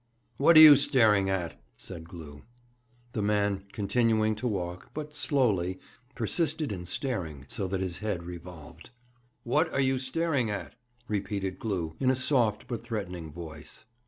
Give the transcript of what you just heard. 'What are you staring at?' said Glew. The man, continuing to walk but slowly, persisted in staring, so that his head revolved. 'What are you staring at?' repeated Glew, in a soft but threatening voice.